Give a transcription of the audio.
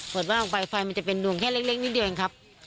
เปิดว่าออกไปไฟมันจะเป็นดวงแค่เล็กนิดเดียวครับ